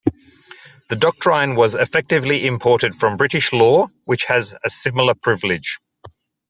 The doctrine was effectively imported from British law which has a similar privilege.